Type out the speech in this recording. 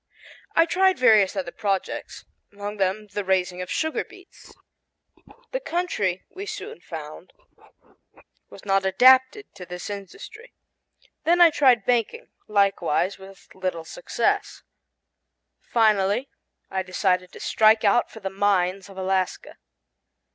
I tried various other projects among them the raising of sugar beets. The country, we soon found, was not adapted to this industry. Then I tried banking, likewise with little success. Finally I decided to strike out for the mines of Alaska.